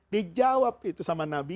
dijawab itu sama nabi